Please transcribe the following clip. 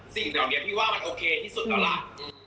สิ่งแบบนี้พี่ว่ามันโอเคที่สุดว่ะล่ะ